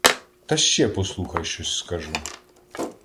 Та ще, послухай, щось скажу: